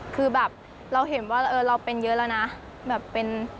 คือแบบเราเห็นว่าเราเป็นเยอะแล้วนะ